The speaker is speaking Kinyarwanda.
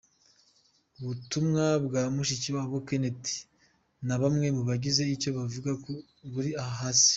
Ubutumwa bwa Mushikiwabo, Kenneth na bamwe mu bagize icyo babivugaho buri aha hasi.